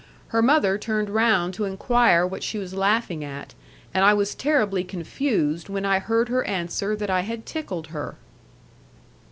Her mother turned round to enquire what she was laughing at, and I was terribly confused when I heard her answer that I had tickled her.